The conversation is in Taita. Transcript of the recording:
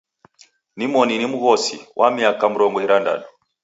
Nimoni ni mghosi, wa miaka mrongo irandadu.